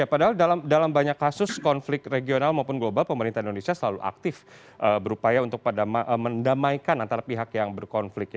padahal dalam banyak kasus konflik regional maupun global pemerintah indonesia selalu aktif berupaya untuk mendamaikan antara pihak yang berkonflik